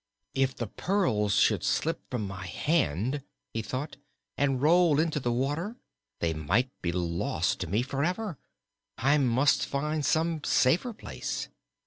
"If the pearls should slip from my hand," he thought, "and roll into the water, they might be lost to me forever. I must find some safer place."